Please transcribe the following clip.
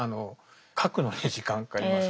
書くのに時間かかります。